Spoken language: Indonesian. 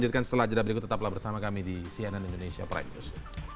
teruslah jadab diku tetaplah bersama kami di sianan indonesia prime news